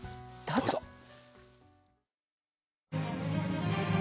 どうぞ。